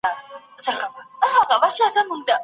خوشالي لکه بلوړ داسي ښکاریږي